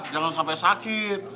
jangan sampai sakit